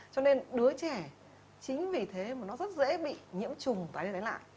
cho nên đứa trẻ chính vì thế mà nó rất dễ bị nhiễm trùng vài lần lại